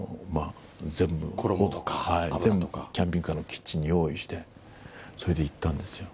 キャンピングカーのキッチンに用意して、それで行ったんです